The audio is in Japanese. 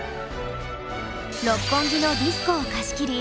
六本木のディスコを貸し切り